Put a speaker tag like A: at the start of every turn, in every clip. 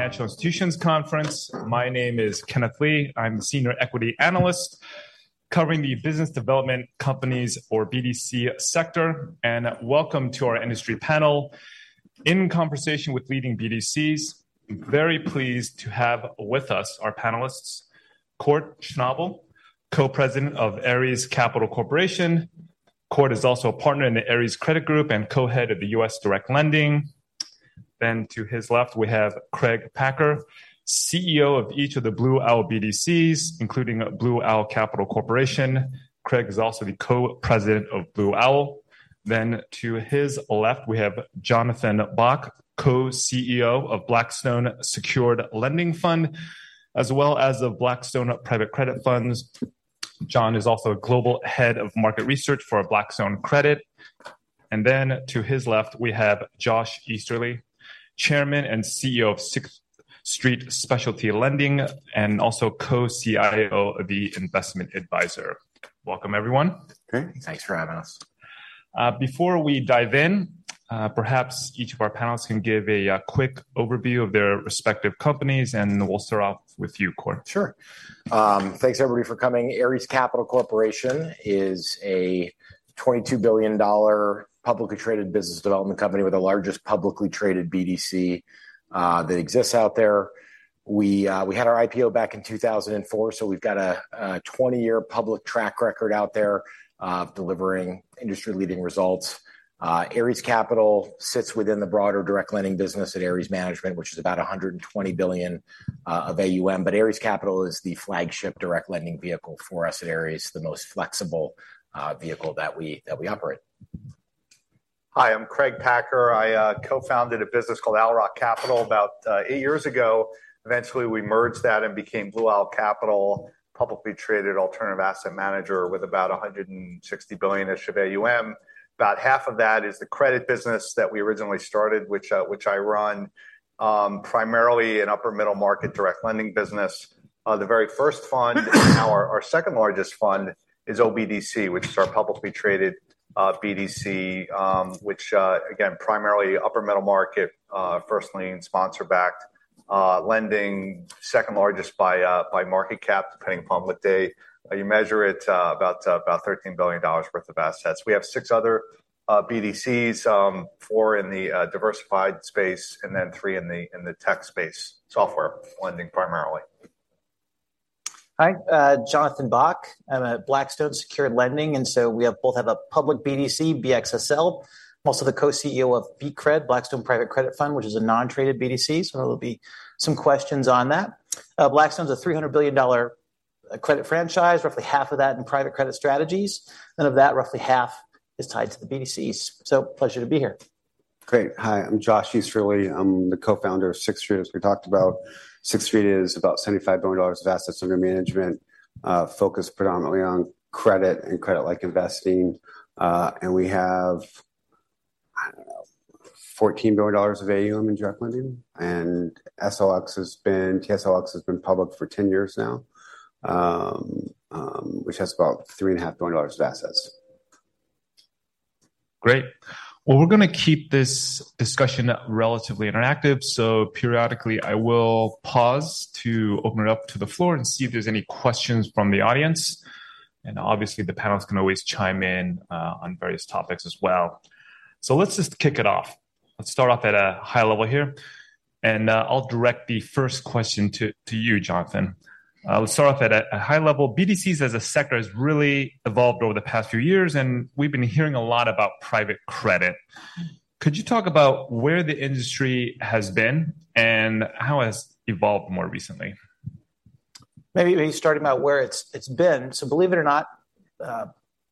A: Financial Institutions Conference. My name is Kenneth Lee. I'm a senior equity analyst covering the business development companies or BDC sector, and welcome to our industry panel. In conversation with leading BDCs, I'm very pleased to have with us our panelists: Kort Schnabel, Co-President of Ares Capital Corporation. Kort is also a partner in the Ares Credit Group and co-head of the U.S. Direct Lending. Then to his left, we have Craig Packer, CEO of each of the Blue Owl BDCs, including Blue Owl Capital Corporation. Craig is also the co-president of Blue Owl. Then to his left, we have Jonathan Bock, co-CEO of Blackstone Secured Lending Fund, as well as of Blackstone Private Credit Fund. Jonathan is also a global head of market research for Blackstone Credit. And then to his left, we have Josh Easterly, Chairman and CEO of Sixth Street Specialty Lending, and also Co-CIO of the investment advisor. Welcome, everyone.
B: Okay.
C: Thanks for having us.
A: Before we dive in, perhaps each of our panelists can give a quick overview of their respective companies, and we'll start off with you, Kort.
C: Sure. Thanks, everybody, for coming. Ares Capital Corporation is a $22 billion publicly traded business development company with the largest publicly traded BDC that exists out there. We had our IPO back in 2004, so we've got a 20-year public track record out there delivering industry-leading results. Ares Capital sits within the broader direct lending business at Ares Management, which is about $120 billion of AUM, but Ares Capital is the flagship direct lending vehicle for us at Ares, the most flexible vehicle that we operate.
B: Hi. I'm Craig Packer. I co-founded a business called Owl Rock Capital about eight years ago. Eventually, we merged that and became Blue Owl Capital, publicly traded alternative asset manager with about $160 billion of AUM. About half of that is the credit business that we originally started, which I run, primarily an upper-middle market direct lending business. The very first fund, now our second largest fund, is OBDC, which is our publicly traded BDC, which, again, primarily upper-middle market, firstly in sponsor-backed lending, second largest by market cap, depending upon what day you measure it, about $13 billion worth of assets. We have six other BDCs, four in the diversified space and then three in the tech space, software lending primarily.
D: Hi. Jonathan Bock. I'm at Blackstone Secured Lending, and so we both have a public BDC, BXSL. I'm also the co-CEO of BCRED, Blackstone Private Credit Fund, which is a non-traded BDC, so there will be some questions on that. Blackstone's a $300 billion credit franchise, roughly half of that in private credit strategies, and of that, roughly half is tied to the BDCs. So, pleasure to be here.
E: Great. Hi. I'm Josh Easterly. I'm the co-founder of Sixth Street. As we talked about, Sixth Street is about $75 billion of assets under management, focused predominantly on credit and credit-like investing. And we have, I don't know, $14 billion of AUM in direct lending. And TSLX has been public for 10 years now, which has about $3.5 billion of assets.
A: Great. Well, we're going to keep this discussion relatively interactive, so periodically, I will pause to open it up to the floor and see if there's any questions from the audience. And obviously, the panelists can always chime in on various topics as well. So let's just kick it off. Let's start off at a high level here, and I'll direct the first question to you, Jonathan. Let's start off at a high level. BDCs as a sector has really evolved over the past few years, and we've been hearing a lot about private credit. Could you talk about where the industry has been and how it has evolved more recently?
D: Maybe starting about where it's been. So believe it or not,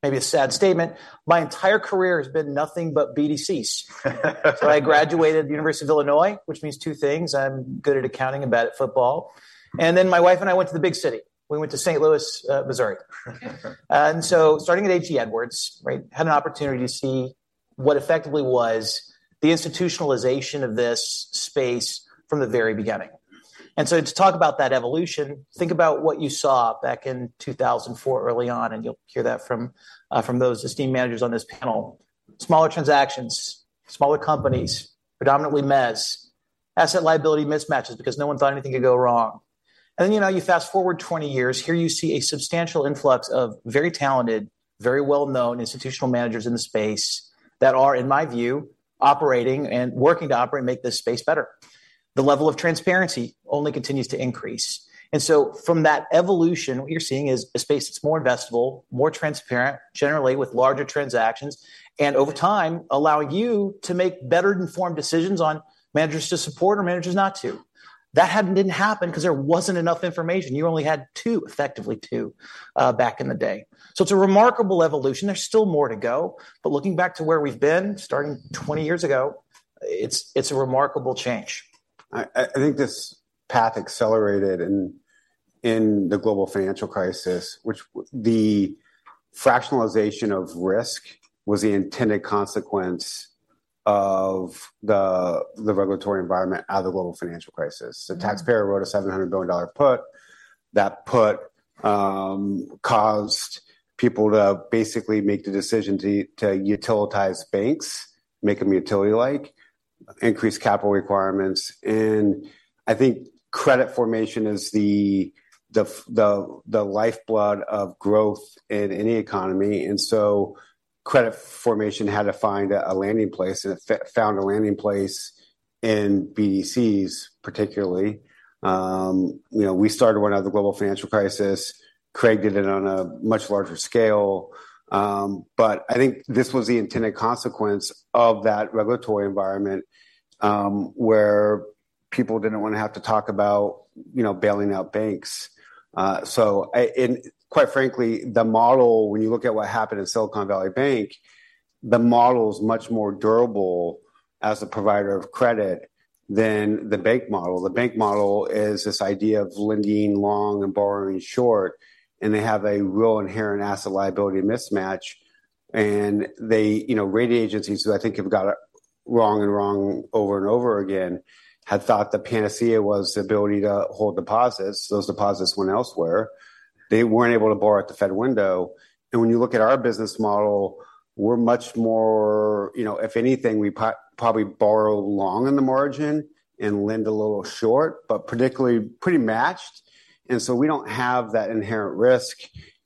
D: maybe a sad statement, my entire career has been nothing but BDCs. So I graduated the University of Illinois, which means two things: I'm good at accounting and bad at football. And then my wife and I went to the big city. We went to St. Louis, Missouri. And so starting at A.G. Edwards, right, had an opportunity to see what effectively was the institutionalization of this space from the very beginning. And so to talk about that evolution, think about what you saw back in 2004 early on, and you'll hear that from those esteemed managers on this panel: smaller transactions, smaller companies, predominantly Mezz, asset liability mismatches because no one thought anything could go wrong. And then you fast-forward 20 years. Here you see a substantial influx of very talented, very well-known institutional managers in the space that are, in my view, operating and working to operate and make this space better. The level of transparency only continues to increase. And so from that evolution, what you're seeing is a space that's more investable, more transparent, generally with larger transactions, and over time, allowing you to make better-informed decisions on managers to support or managers not to. That didn't happen because there wasn't enough information. You only had two, effectively two, back in the day. So it's a remarkable evolution. There's still more to go. But looking back to where we've been starting 20 years ago, it's a remarkable change.
E: I think this path accelerated in the global financial crisis, which the fractionalization of risk was the intended consequence of the regulatory environment out of the global financial crisis. The taxpayer wrote a $700 billion put. That put caused people to basically make the decision to utilize banks, make them utility-like, increase capital requirements. I think credit formation is the lifeblood of growth in any economy. So credit formation had to find a landing place, and it found a landing place in BDCs, particularly. We started one out of the global financial crisis. Craig did it on a much larger scale. But I think this was the intended consequence of that regulatory environment where people didn't want to have to talk about bailing out banks. So quite frankly, the model, when you look at what happened at Silicon Valley Bank, the model's much more durable as a provider of credit than the bank model. The bank model is this idea of lending long and borrowing short, and they have a real inherent asset liability mismatch. And the rating agencies who I think have got it wrong and wrong over and over again had thought the panacea was the ability to hold deposits. Those deposits went elsewhere. They weren't able to borrow at the Fed window. And when you look at our business model, we're much more, if anything, we probably borrow long on the margin and lend a little short, but pretty matched. And so we don't have that inherent risk,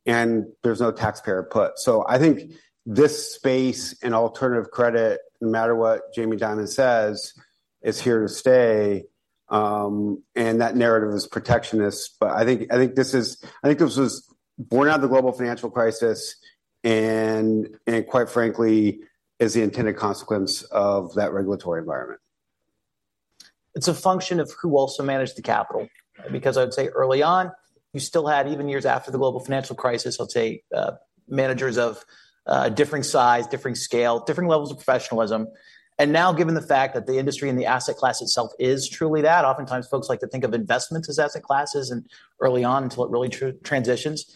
E: and there's no taxpayer put. So I think this space in alternative credit, no matter what Jamie Dimon says, is here to stay. That narrative is protectionist. I think this was born out of the global financial crisis and, quite frankly, is the intended consequence of that regulatory environment.
D: It's a function of who also managed the capital. Because I would say early on, you still had, even years after the global financial crisis, I'll say, managers of different size, different scale, different levels of professionalism. And now, given the fact that the industry and the asset class itself is truly that, oftentimes, folks like to think of investments as asset classes early on until it really transitions.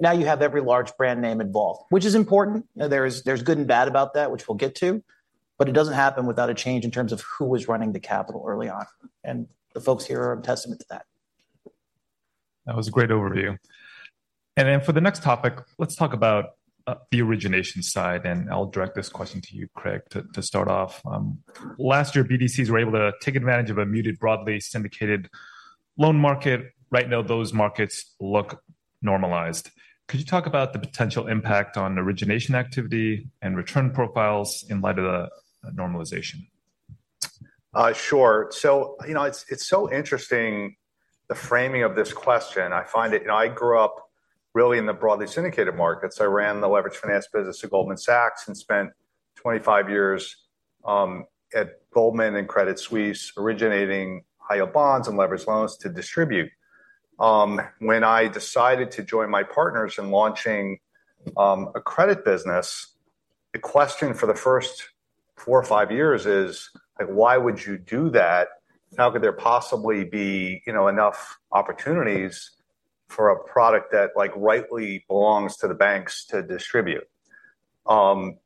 D: Now you have every large brand name involved, which is important. There's good and bad about that, which we'll get to. But it doesn't happen without a change in terms of who was running the capital early on. And the folks here are a testament to that.
A: That was a great overview. Then for the next topic, let's talk about the origination side, and I'll direct this question to you, Craig, to start off. Last year, BDCs were able to take advantage of a muted, broadly syndicated loan market. Right now, those markets look normalized. Could you talk about the potential impact on origination activity and return profiles in light of the normalization?
B: Sure. So it's so interesting, the framing of this question. I grew up really in the broadly syndicated markets. I ran the leveraged finance business at Goldman Sachs and spent 25 years at Goldman and Credit Suisse originating high-yield bonds and leveraged loans to distribute. When I decided to join my partners in launching a credit business, the question for the first four or five years is, why would you do that? How could there possibly be enough opportunities for a product that rightly belongs to the banks to distribute? And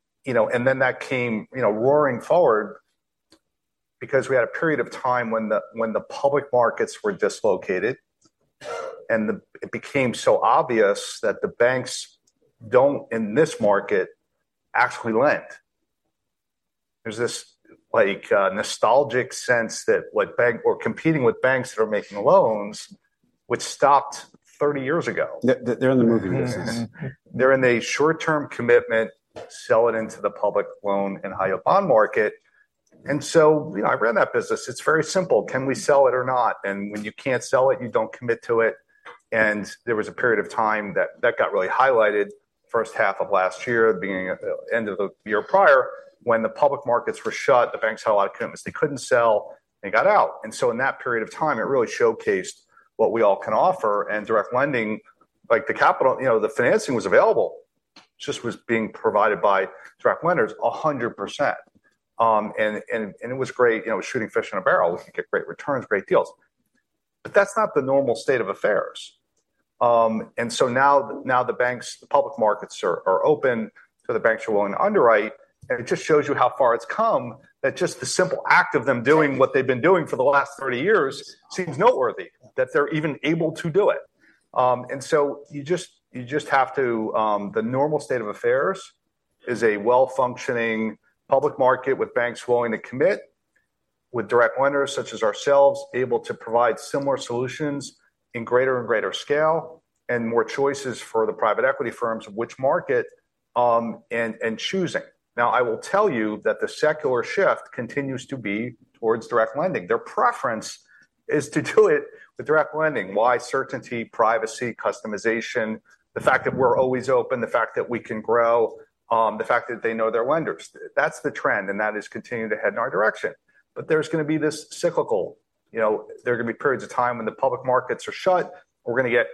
B: then that came roaring forward because we had a period of time when the public markets were dislocated, and it became so obvious that the banks don't, in this market, actually lend. There's this nostalgic sense that competing with banks that are making loans would stop 30 years ago.
E: They're in the movie business.
B: They're in a short-term commitment, sell it into the public loan and high-yield bond market. And so I ran that business. It's very simple. Can we sell it or not? And when you can't sell it, you don't commit to it. And there was a period of time that got really highlighted, first half of last year, end of the year prior, when the public markets were shut, the banks had a lot of commitments. They couldn't sell. They got out. And so in that period of time, it really showcased what we all can offer. And direct lending, the financing was available. It just was being provided by direct lenders 100%. And it was great. It was shooting fish in a barrel. We could get great returns, great deals. But that's not the normal state of affairs. And so now the public markets are open, so the banks are willing to underwrite. And it just shows you how far it's come that just the simple act of them doing what they've been doing for the last 30 years seems noteworthy, that they're even able to do it. And so you just have to the normal state of affairs is a well-functioning public market with banks willing to commit, with direct lenders such as ourselves able to provide similar solutions in greater and greater scale and more choices for the private equity firms of which market and choosing. Now, I will tell you that the secular shift continues to be towards direct lending. Their preference is to do it with direct lending: why? Certainty, privacy, customization, the fact that we're always open, the fact that we can grow, the fact that they know their lenders. That's the trend, and that is continuing to head in our direction. But there's going to be this cyclical. There are going to be periods of time when the public markets are shut. We're going to get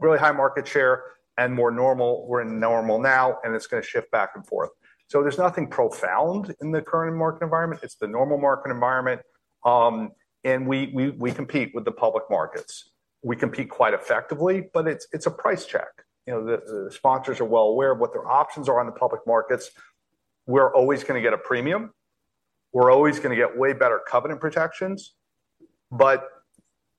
B: really high market share and more normal. We're in normal now, and it's going to shift back and forth. So there's nothing profound in the current market environment. It's the normal market environment. And we compete with the public markets. We compete quite effectively, but it's a price check. The sponsors are well aware of what their options are on the public markets. We're always going to get a premium. We're always going to get way better covenant protections. But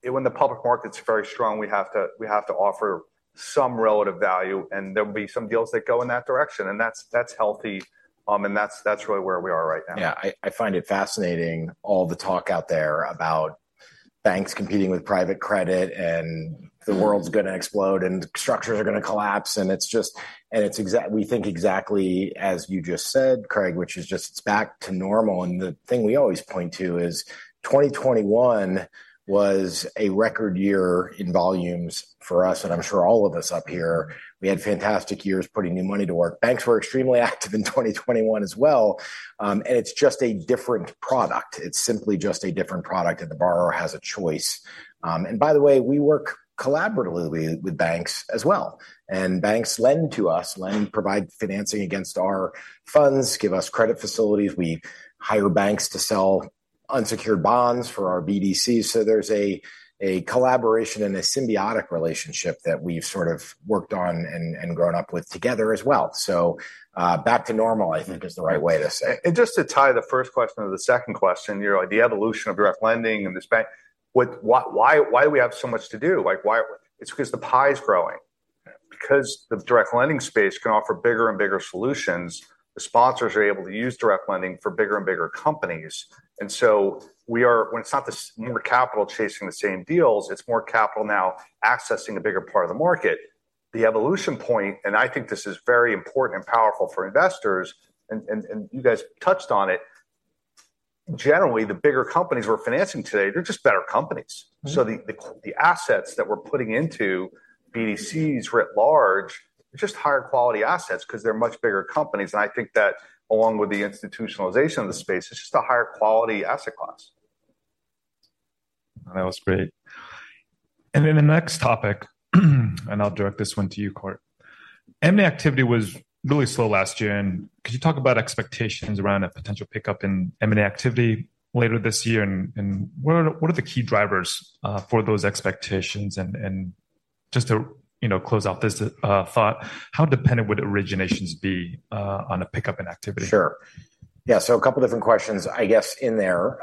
B: when the public market's very strong, we have to offer some relative value, and there will be some deals that go in that direction. That's healthy, and that's really where we are right now.
C: Yeah. I find it fascinating, all the talk out there about banks competing with private credit and the world's going to explode and structures are going to collapse. We think exactly as you just said, Craig, which is just it's back to normal. The thing we always point to is 2021 was a record year in volumes for us, and I'm sure all of us up here. We had fantastic years putting new money to work. Banks were extremely active in 2021 as well. It's just a different product. It's simply just a different product, and the borrower has a choice. By the way, we work collaboratively with banks as well. Banks lend to us, provide financing against our funds, give us credit facilities. We hire banks to sell unsecured bonds for our BDCs. So there's a collaboration and a symbiotic relationship that we've sort of worked on and grown up with together as well. So back to normal, I think, is the right way to say.
B: And just to tie the first question to the second question, the evolution of direct lending and this bank, why do we have so much to do? It's because the pie's growing. Because the direct lending space can offer bigger and bigger solutions, the sponsors are able to use direct lending for bigger and bigger companies. And so when it's not more capital chasing the same deals, it's more capital now accessing a bigger part of the market. The evolution point, and I think this is very important and powerful for investors, and you guys touched on it, generally, the bigger companies we're financing today, they're just better companies. So the assets that we're putting into BDCs writ large are just higher-quality assets because they're much bigger companies. And I think that along with the institutionalization of the space, it's just a higher-quality asset class.
A: That was great. And then the next topic, and I'll direct this one to you, Kort. M&A activity was really slow last year. And could you talk about expectations around a potential pickup in M&A activity later this year? And what are the key drivers for those expectations? And just to close out this thought, how dependent would originations be on a pickup in activity?
C: Sure. Yeah. So a couple of different questions, I guess, in there.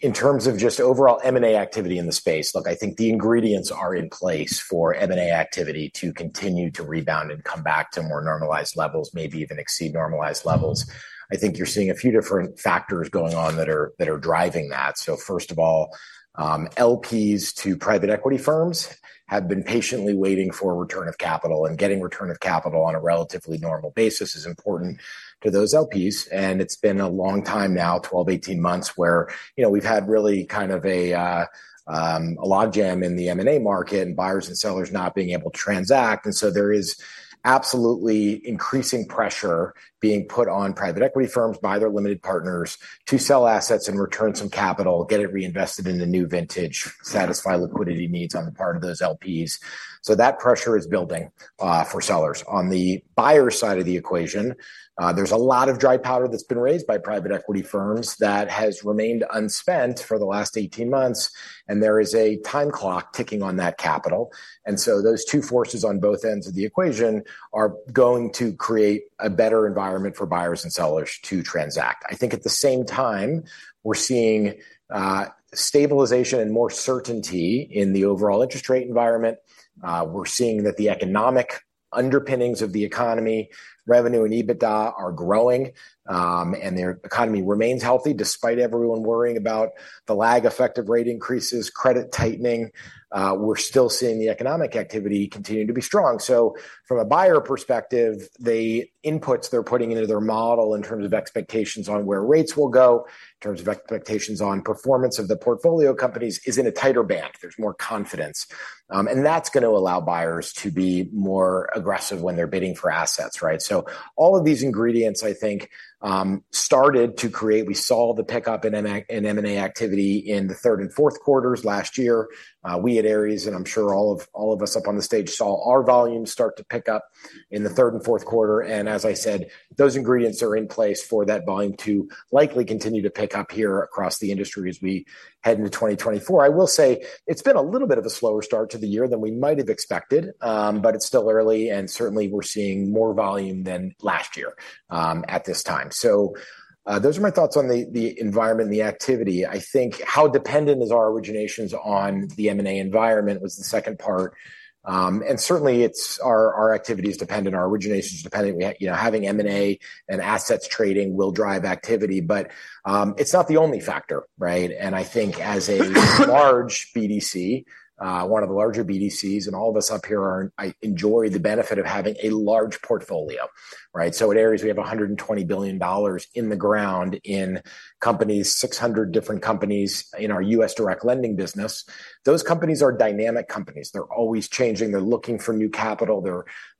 C: In terms of just overall M&A activity in the space, look, I think the ingredients are in place for M&A activity to continue to rebound and come back to more normalized levels, maybe even exceed normalized levels. I think you're seeing a few different factors going on that are driving that. So first of all, LPs to private equity firms have been patiently waiting for return of capital. And getting return of capital on a relatively normal basis is important to those LPs. And it's been a long time now, 12-18 months, where we've had really kind of a log jam in the M&A market and buyers and sellers not being able to transact. And so there is absolutely increasing pressure being put on private equity firms by their limited partners to sell assets and return some capital, get it reinvested in a new vintage, satisfy liquidity needs on the part of those LPs. So that pressure is building for sellers. On the buyer side of the equation, there's a lot of dry powder that's been raised by private equity firms that has remained unspent for the last 18 months. And there is a time clock ticking on that capital. And so those two forces on both ends of the equation are going to create a better environment for buyers and sellers to transact. I think at the same time, we're seeing stabilization and more certainty in the overall interest rate environment. We're seeing that the economic underpinnings of the economy, revenue and EBITDA, are growing. The economy remains healthy despite everyone worrying about the lag effect of rate increases, credit tightening. We're still seeing the economic activity continue to be strong. So from a buyer perspective, the inputs they're putting into their model in terms of expectations on where rates will go, in terms of expectations on performance of the portfolio companies is in a tighter band. There's more confidence. And that's going to allow buyers to be more aggressive when they're bidding for assets, right? So all of these ingredients, I think, started to create. We saw the pickup in M&A activity in the third and Q4 last year. We at Ares, and I'm sure all of us up on the stage saw our volumes start to pick up in the Q3 and Q4. As I said, those ingredients are in place for that volume to likely continue to pick up here across the industry as we head into 2024. I will say it's been a little bit of a slower start to the year than we might have expected, but it's still early. Certainly, we're seeing more volume than last year at this time. So those are my thoughts on the environment, the activity. I think how dependent are originations on the M&A environment was the second part. Certainly, our activity is dependent. Our origination is dependent. Having M&A and assets trading will drive activity. But it's not the only factor, right? I think as a large BDC, one of the larger BDCs, and all of us up here enjoy the benefit of having a large portfolio, right? So at Ares, we have $120 billion in the ground in companies, 600 different companies in our U.S. direct lending business. Those companies are dynamic companies. They're always changing. They're looking for new capital.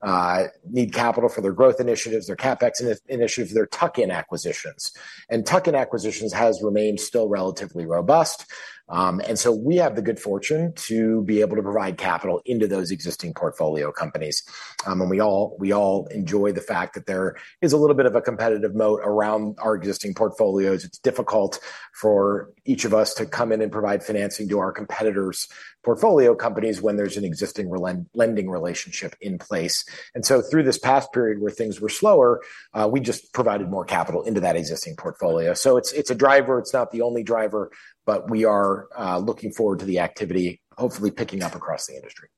C: They need capital for their growth initiatives, their CapEx initiatives. They're tuck-in acquisitions. And tuck-in acquisitions have remained still relatively robust. And so we have the good fortune to be able to provide capital into those existing portfolio companies. And we all enjoy the fact that there is a little bit of a competitive moat around our existing portfolios. It's difficult for each of us to come in and provide financing to our competitors' portfolio companies when there's an existing lending relationship in place. And so through this past period where things were slower, we just provided more capital into that existing portfolio. So it's a driver. It's not the only driver. We are looking forward to the activity, hopefully picking up across the industry.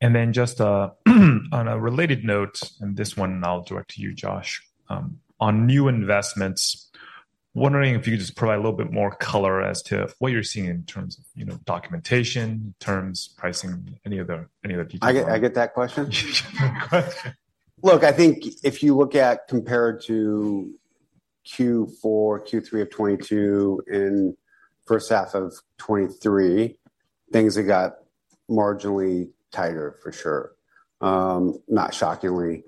A: Then just on a related note, and this one, I'll direct to you, Josh, on new investments, wondering if you could just provide a little bit more color as to what you're seeing in terms of documentation, terms, pricing, any other details?
E: I get that question? Look, I think if you look at compared to Q4, Q3 of 2022, and first half of 2023, things have got marginally tighter, for sure, not shockingly.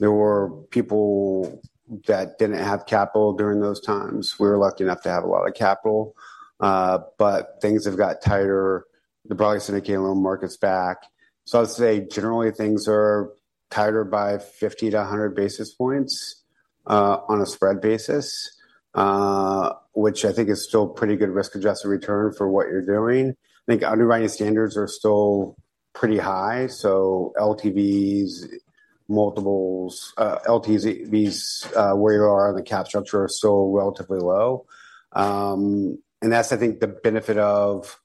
E: There were people that didn't have capital during those times. We were lucky enough to have a lot of capital. But things have got tighter. The broader syndicate and loan market's back. So I'd say generally, things are tighter by 50-100 basis points on a spread basis, which I think is still pretty good risk-adjusted return for what you're doing. I think underwriting standards are still pretty high. So LTVs, multiples where you are on the cap structure are still relatively low. And that's, I think, the benefit of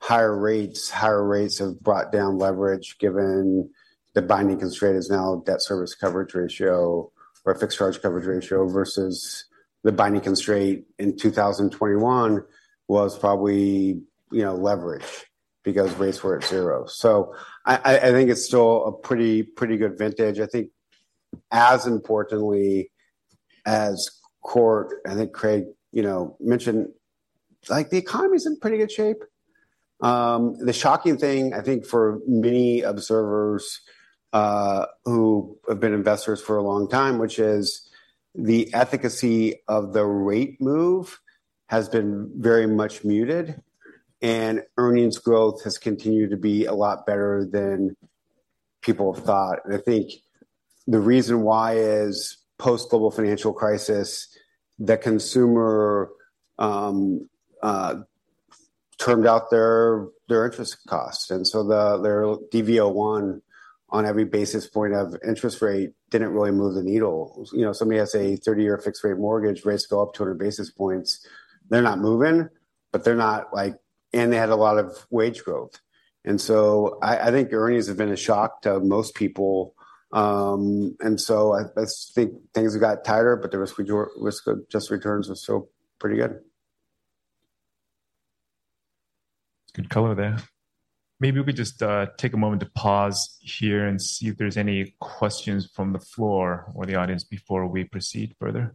E: higher rates. Higher rates have brought down leverage given the binding constraint is now a debt service coverage ratio or a fixed charge coverage ratio versus the binding constraint in 2021 was probably leverage because rates were at zero. So I think it's still a pretty good vintage. I think as importantly as Kort, I think Craig mentioned, the economy's in pretty good shape. The shocking thing, I think, for many observers who have been investors for a long time, which is the efficacy of the rate move has been very much muted. And earnings growth has continued to be a lot better than people thought. And I think the reason why is post-global financial crisis, the consumer termed out their interest costs. And so their DV01 on every basis point of interest rate didn't really move the needle. Somebody has a 30-year fixed-rate mortgage, rates go up 200 basis points. They're not moving, but they're not, and they had a lot of wage growth. So I think earnings have been a shock to most people. So I think things have got tighter, but the risk of just returns was still pretty good.
A: That's good color there. Maybe we could just take a moment to pause here and see if there's any questions from the floor or the audience before we proceed further.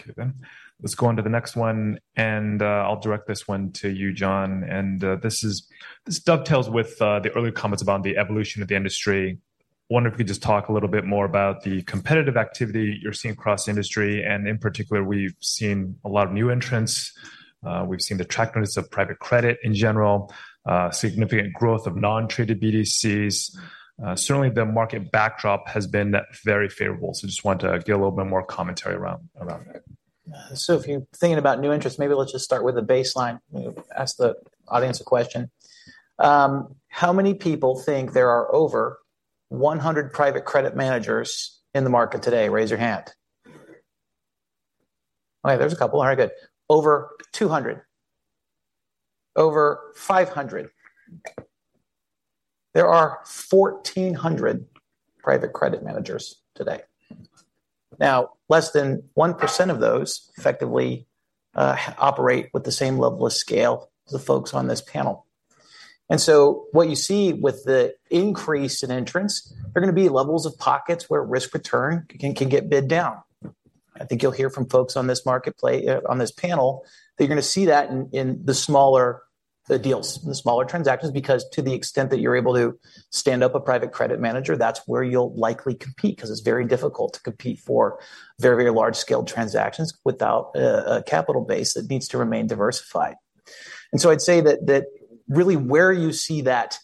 A: Okay then. Let's go on to the next one. I'll direct this one to you, John. This dovetails with the earlier comments about the evolution of the industry. Wonder if you could just talk a little bit more about the competitive activity you're seeing across the industry. And in particular, we've seen a lot of new entrants. We've seen the traction of private credit in general, significant growth of non-traded BDCs. Certainly, the market backdrop has been very favorable. So just want to give a little bit more commentary around that.
D: So if you're thinking about new interest, maybe let's just start with a baseline. Ask the audience a question. How many people think there are over 100 private credit managers in the market today? Raise your hand. Okay. There's a couple. All right. Good. Over 200. Over 500. There are 1,400 private credit managers today. Now, less than 1% of those effectively operate with the same level of scale as the folks on this panel. And so what you see with the increase in entrants, there are going to be levels of pockets where risk return can get bid down. I think you'll hear from folks on this panel that you're going to see that in the smaller deals, in the smaller transactions. Because to the extent that you're able to stand up a private credit manager, that's where you'll likely compete because it's very difficult to compete for very, very large-scale transactions without a capital base that needs to remain diversified. And so I'd say that really where you see that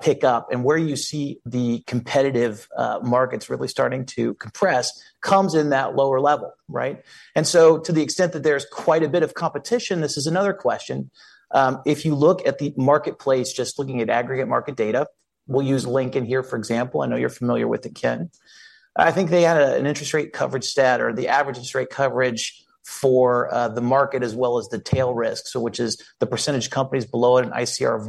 D: pickup and where you see the competitive markets really starting to compress comes in that lower level, right? And so to the extent that there's quite a bit of competition, this is another question. If you look at the marketplace, just looking at aggregate market data, we'll use Lincoln here, for example. I know you're familiar with it, Ken. I think they had an interest rate coverage stat or the average interest rate coverage for the market as well as the tail risk, which is the percentage companies below an ICR of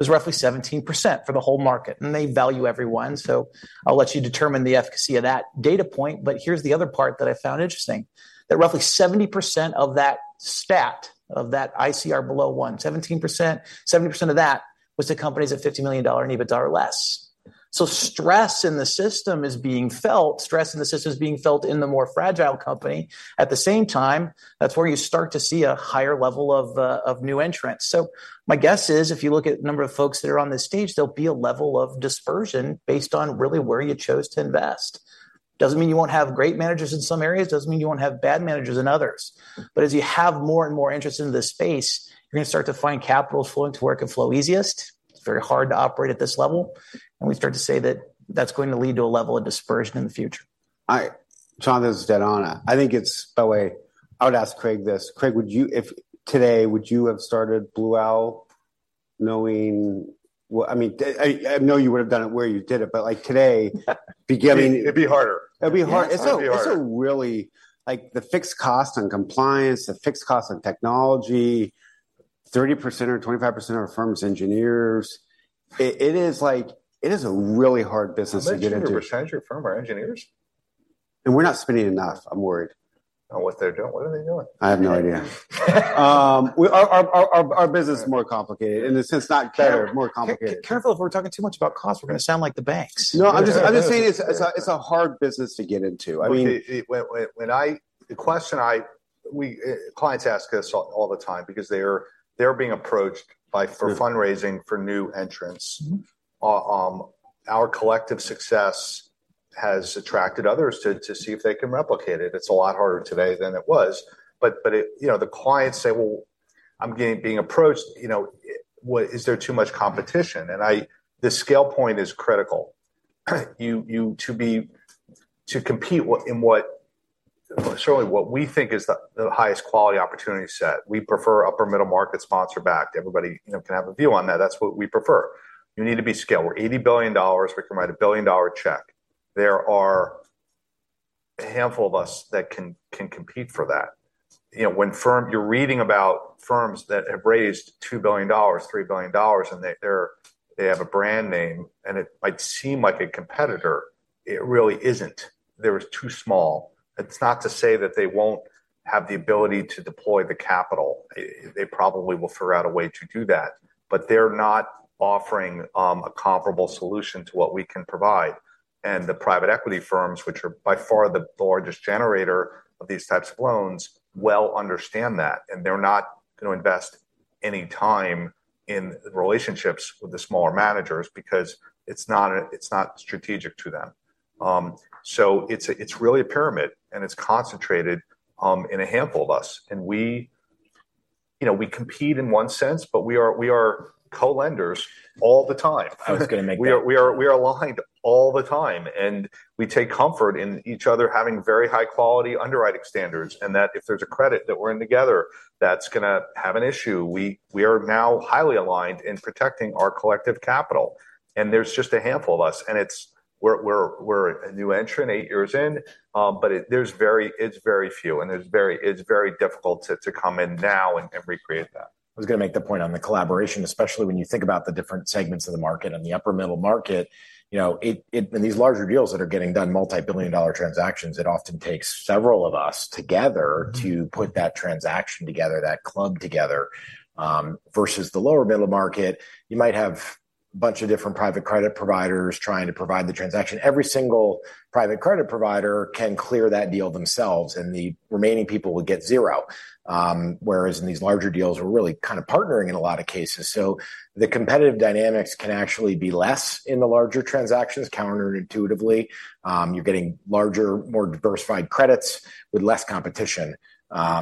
D: 1 was roughly 17% for the whole market. And they value everyone. So I'll let you determine the efficacy of that data point. But here's the other part that I found interesting, that roughly 70% of that stat of that ICR below 1, 17%, 70% of that was to companies at $50 million and EBITDA or less. So stress in the system is being felt. Stress in the system is being felt in the more fragile company. At the same time, that's where you start to see a higher level of new entrants. So my guess is if you look at the number of folks that are on this stage, there'll be a level of dispersion based on really where you chose to invest. Doesn't mean you won't have great managers in some areas. Doesn't mean you won't have bad managers in others. But as you have more and more interest in this space, you're going to start to find capitals flowing to where it can flow easiest. It's very hard to operate at this level. And we start to say that that's going to lead to a level of dispersion in the future.
F: All right. John, this is Dennana. I think it's, by the way, I would ask Craig this. Craig, today, would you have started Blue Owl knowing I mean, I know you would have done it where you did it. But today, beginning.
B: It'd be harder.
F: It'd be harder. It's a really the fixed cost on compliance, the fixed cost on technology, 30% or 25% of our firm's engineers. It is a really hard business to get into.
B: What's the chance your firm are engineers?
F: We're not spending enough, I'm worried.
B: On what they're doing? What are they doing?
F: I have no idea. Our business is more complicated, in a sense, not better, more complicated.
B: Careful if we're talking too much about costs. We're going to sound like the banks.
F: No, I'm just saying it's a hard business to get into. I mean.
B: The question clients ask us all the time because they're being approached for fundraising for new entrants. Our collective success has attracted others to see if they can replicate it. It's a lot harder today than it was. But the clients say, "Well, I'm being approached. Is there too much competition?" And this scale point is critical to compete in certainly what we think is the highest quality opportunity set. We prefer upper-middle market sponsor-backed. Everybody can have a view on that. That's what we prefer. You need to be scaled. We're $80 billion. We can write a billion-dollar check. There are a handful of us that can compete for that. When you're reading about firms that have raised $2 billion, $3 billion, and they have a brand name and it might seem like a competitor, it really isn't. They're too small. It's not to say that they won't have the ability to deploy the capital. They probably will figure out a way to do that. But they're not offering a comparable solution to what we can provide. And the private equity firms, which are by far the largest generator of these types of loans, well understand that. And they're not going to invest any time in relationships with the smaller managers because it's not strategic to them. So it's really a pyramid. And it's concentrated in a handful of us. And we compete in one sense, but we are co-lenders all the time.
C: I was going to make that.
B: We are aligned all the time. We take comfort in each other having very high quality underwriting standards and that if there's a credit that we're in together, that's going to have an issue. We are now highly aligned in protecting our collective capital. There's just a handful of us. We're a new entrant, 8 years in. But it's very few. It's very difficult to come in now and recreate that.
C: I was going to make the point on the collaboration, especially when you think about the different segments of the market and the upper-middle market. In these larger deals that are getting done, multi-billion-dollar transactions, it often takes several of us together to put that transaction together, that club together versus the lower-middle market. You might have a bunch of different private credit providers trying to provide the transaction. Every single private credit provider can clear that deal themselves. And the remaining people will get zero. Whereas in these larger deals, we're really kind of partnering in a lot of cases. So the competitive dynamics can actually be less in the larger transactions counterintuitively. You're getting larger, more diversified credits with less competition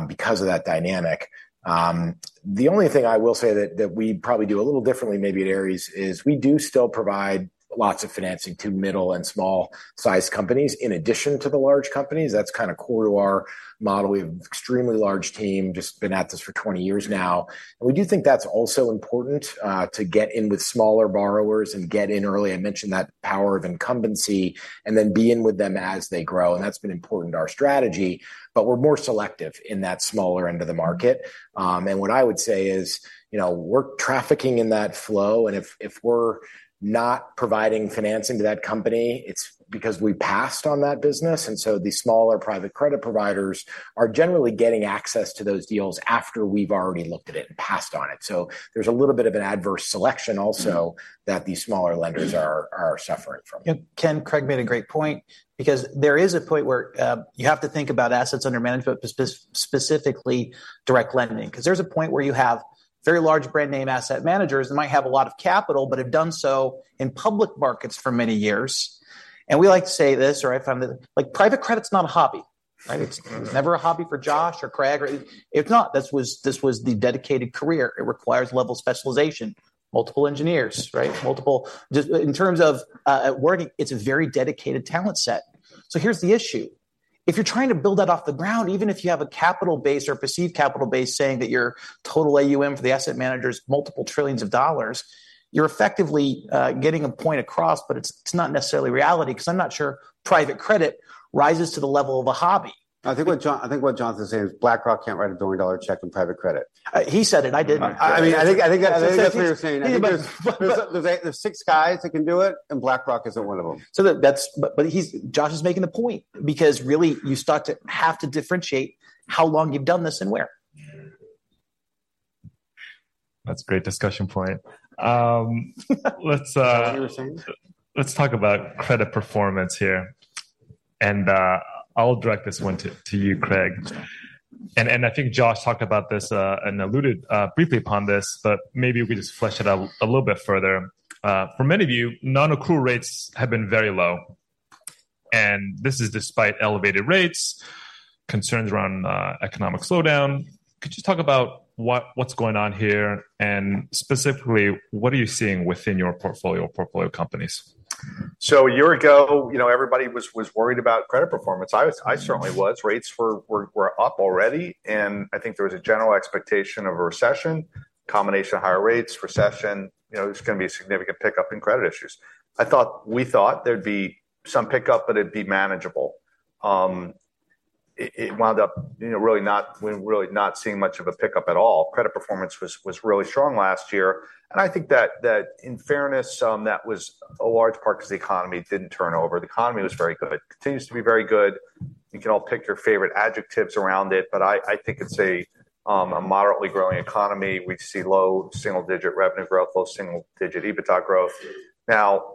C: because of that dynamic. The only thing I will say that we probably do a little differently, maybe at Ares, is we do still provide lots of financing to middle and small-sized companies in addition to the large companies. That's kind of core to our model. We have an extremely large team, just been at this for 20 years now. We do think that's also important to get in with smaller borrowers and get in early. I mentioned that power of incumbency and then be in with them as they grow. And that's been important to our strategy. But we're more selective in that smaller end of the market. And what I would say is we're trafficking in that flow. And if we're not providing financing to that company, it's because we passed on that business. And so the smaller private credit providers are generally getting access to those deals after we've already looked at it and passed on it. So there's a little bit of an adverse selection also that these smaller lenders are suffering from.
D: Ken, Craig made a great point because there is a point where you have to think about assets under management, but specifically direct lending. Because there's a point where you have very large brand-name asset managers that might have a lot of capital but have done so in public markets for many years. We like to say this, or I find that private credit's not a hobby, right? It's never a hobby for Josh or Craig. If not, this was the dedicated career. It requires level specialization, multiple engineers, right? In terms of working, it's a very dedicated talent set. So here's the issue. If you're trying to build that off the ground, even if you have a capital base or a perceived capital base saying that your total AUM for the asset manager is multiple trillions of dollars, you're effectively getting a point across. It's not necessarily reality because I'm not sure private credit rises to the level of a hobby.
C: I think what John's saying is BlackRock can't write a billion-dollar check in private credit.
D: He said it. I didn't.
B: I mean, I think that's what you're saying. I think there's six guys that can do it, and BlackRock isn't one of them.
D: Josh is making the point because really, you start to have to differentiate how long you've done this and where.
A: That's a great discussion point.
B: What were you saying?
A: Let's talk about credit performance here. I'll direct this one to you, Craig. I think Josh talked about this and alluded briefly upon this. Maybe we could just flesh it out a little bit further. For many of you, non-accrual rates have been very low. This is despite elevated rates, concerns around economic slowdown. Could you talk about what's going on here? Specifically, what are you seeing within your portfolio or portfolio companies?
B: So a year ago, everybody was worried about credit performance. I certainly was. Rates were up already. And I think there was a general expectation of a recession, combination of higher rates, recession. There's going to be a significant pickup in credit issues. We thought there'd be some pickup, but it'd be manageable. It wound up really not seeing much of a pickup at all. Credit performance was really strong last year. And I think that in fairness, that was a large part because the economy didn't turn over. The economy was very good, continues to be very good. You can all pick your favorite adjectives around it. But I think it's a moderately growing economy. We see low single-digit revenue growth, low single-digit EBITDA growth. Now,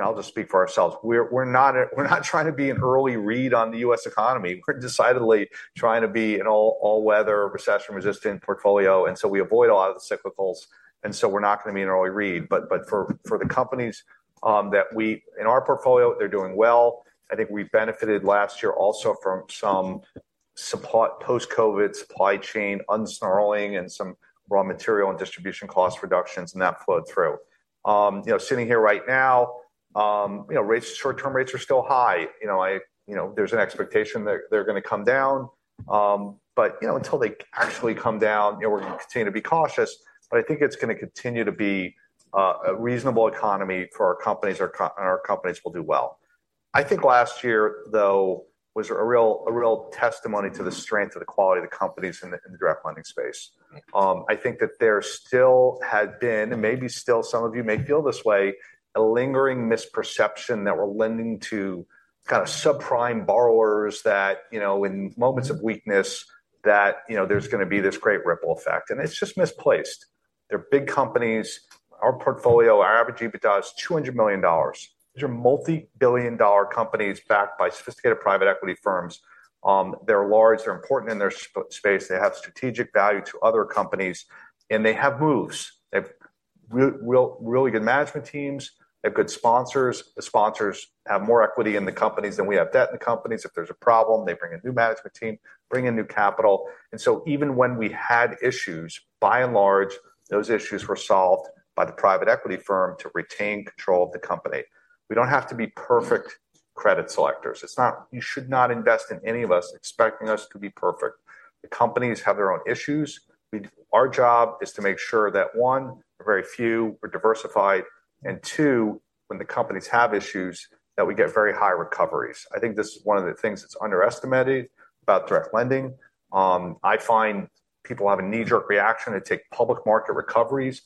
B: I'll just speak for ourselves. We're not trying to be an early read on the U.S. economy. We're decidedly trying to be an all-weather, recession-resistant portfolio. We avoid a lot of the cyclicals. We're not going to be an early read. For the companies that we in our portfolio, they're doing well. I think we benefited last year also from some post-COVID supply chain unsnarling and some raw material and distribution cost reductions. That flowed through. Sitting here right now, short-term rates are still high. There's an expectation that they're going to come down. Until they actually come down, we're going to continue to be cautious. I think it's going to continue to be a reasonable economy for our companies. Our companies will do well. I think last year, though, was a real testimony to the strength of the quality of the companies in the direct lending space. I think that there still had been and maybe still some of you may feel this way, a lingering misperception that we're lending to kind of subprime borrowers that in moments of weakness, that there's going to be this great ripple effect. And it's just misplaced. They're big companies. Our portfolio, our average EBITDA is $200 million. These are multi-billion-dollar companies backed by sophisticated private equity firms. They're large. They're important in their space. They have strategic value to other companies. And they have moves. They have really good management teams. They have good sponsors. The sponsors have more equity in the companies than we have debt in the companies. If there's a problem, they bring in new management team, bring in new capital. And so even when we had issues, by and large, those issues were solved by the private equity firm to retain control of the company. We don't have to be perfect credit selectors. You should not invest in any of us expecting us to be perfect. The companies have their own issues. Our job is to make sure that, one, we're very few, we're diversified. And two, when the companies have issues, that we get very high recoveries. I think this is one of the things that's underestimated about direct lending. I find people have a knee-jerk reaction to take public market recoveries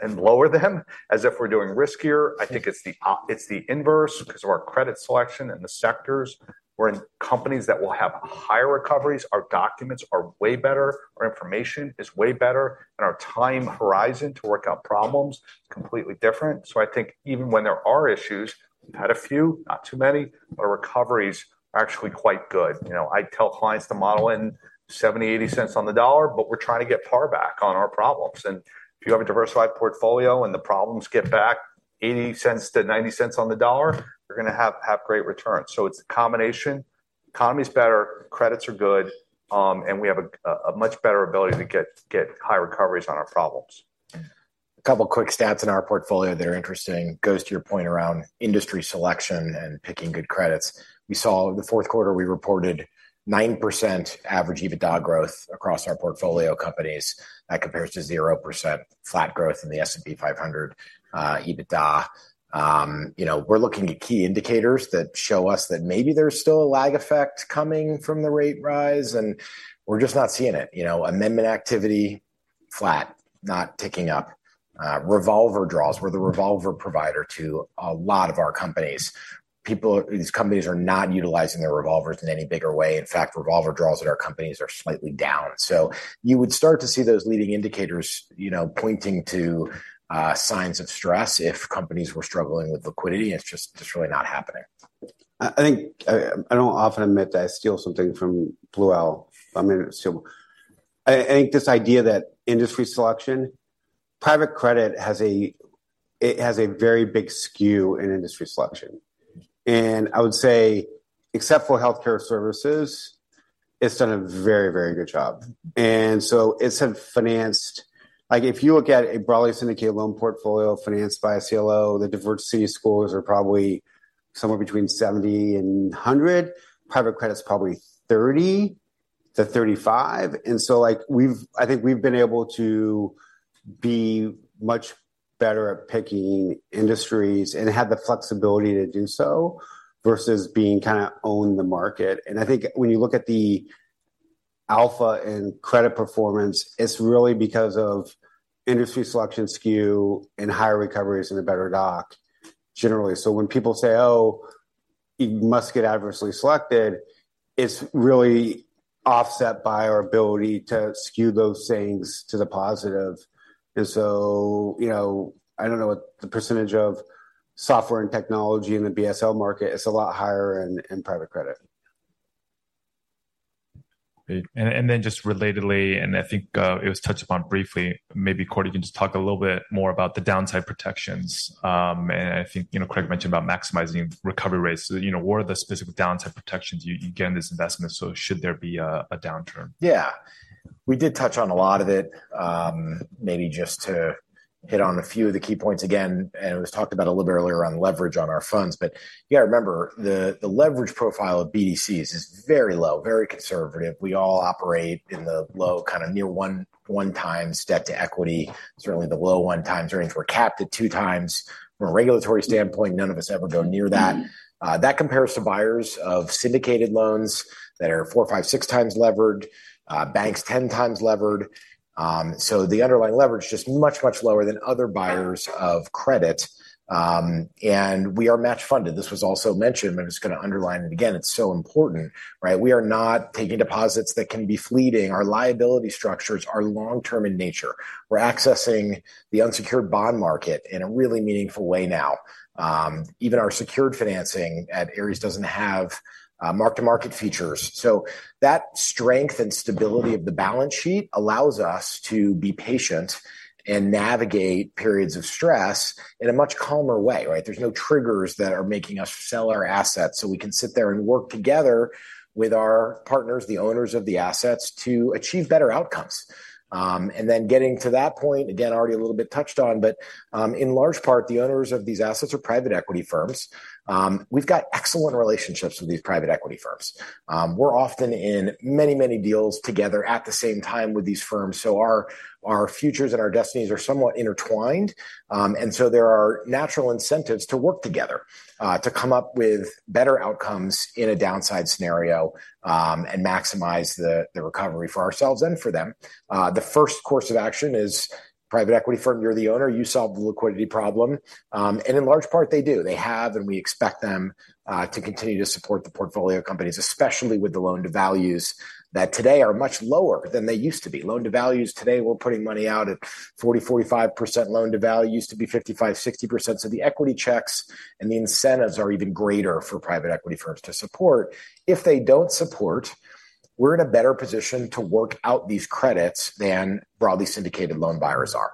B: and lower them as if we're doing riskier. I think it's the inverse because of our credit selection and the sectors. We're in companies that will have higher recoveries. Our documents are way better. Our information is way better. And our time horizon to work out problems is completely different. So I think even when there are issues, we've had a few, not too many, but our recoveries are actually quite good. I tell clients to model in $.70-$.80. But we're trying to get par back on our problems. And if you have a diversified portfolio and the problems get back $.80-$.90, you're going to have great returns. So it's a combination. The economy's better. Credits are good. And we have a much better ability to get high recoveries on our problems.
C: A couple of quick stats in our portfolio that are interesting goes to your point around industry selection and picking good credits. We saw the Q4, we reported 9% average EBITDA growth across our portfolio companies. That compares to 0% flat growth in the S&P 500 EBITDA. We're looking at key indicators that show us that maybe there's still a lag effect coming from the rate rise. And we're just not seeing it. Amendment activity, flat, not ticking up. Revolver draws. We're the revolver provider to a lot of our companies. These companies are not utilizing their revolvers in any bigger way. In fact, revolver draws at our companies are slightly down. So you would start to see those leading indicators pointing to signs of stress if companies were struggling with liquidity. And it's just really not happening.
B: I don't often admit that. I steal something from Blue Owl. I mean, I think this idea that industry selection private credit has a very big skew in industry selection. And I would say except for healthcare services, it's done a very, very good job. And so it's financed if you look at a broadly syndicated loan portfolio financed by a CLO, the diversity scores are probably somewhere between 70 and 100. Private credit's probably 30-35. And so I think we've been able to be much better at picking industries and have the flexibility to do so versus being kind of own the market. And I think when you look at the alpha in credit performance, it's really because of industry selection skew and higher recoveries and a better doc, generally. So when people say, "Oh, you must get adversely selected," it's really offset by our ability to skew those things to the positive. And so I don't know what the percentage of software and technology in the BSL market. It's a lot higher in private credit.
A: And then, just relatedly, and I think it was touched upon briefly, maybe, Kort, you can just talk a little bit more about the downside protections. And I think Craig mentioned about maximizing recovery rates. What are the specific downside protections you get in this investment? So, should there be a downturn?
C: Yeah. We did touch on a lot of it, maybe just to hit on a few of the key points again. It was talked about a little bit earlier on leverage on our funds. But you got to remember, the leverage profile of BDCs is very low, very conservative. We all operate in the low kind of near 1x debt to equity. Certainly, the low 1x range. We're capped at 2x. From a regulatory standpoint, none of us ever go near that. That compares to buyers of syndicated loans that are 4x, 5x, 6x levered, banks 10x levered. So the underlying leverage is just much, much lower than other buyers of credit. We are match-funded. This was also mentioned. I'm just going to underline it again. It's so important, right? We are not taking deposits that can be fleeting. Our liability structures are long-term in nature. We're accessing the unsecured bond market in a really meaningful way now. Even our secured financing at Ares doesn't have mark-to-market features. So that strength and stability of the balance sheet allows us to be patient and navigate periods of stress in a much calmer way, right? There's no triggers that are making us sell our assets. So we can sit there and work together with our partners, the owners of the assets, to achieve better outcomes. And then getting to that point, again, already a little bit touched on. But in large part, the owners of these assets are private equity firms. We've got excellent relationships with these private equity firms. We're often in many, many deals together at the same time with these firms. So our futures and our destinies are somewhat intertwined. And so there are natural incentives to work together to come up with better outcomes in a downside scenario and maximize the recovery for ourselves and for them. The first course of action is private equity firm, you're the owner. You solve the liquidity problem. And in large part, they do. They have. And we expect them to continue to support the portfolio companies, especially with the loan-to-values that today are much lower than they used to be. Loan-to-values today, we're putting money out at 40%-45% loan-to-value. It used to be 55%-60%. So the equity checks and the incentives are even greater for private equity firms to support. If they don't support, we're in a better position to work out these credits than broadly syndicated loan buyers are.